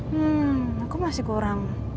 hmm aku masih kurang